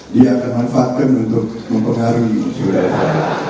dia akan manfaatkan untuk mempengaruhi budaya kita